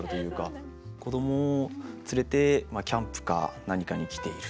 子供を連れてキャンプか何かに来ている。